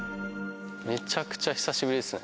めちゃくちゃ久しぶりですね。